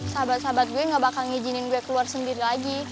sahabat sahabat gue gak bakal ngizinin gue keluar sendiri lagi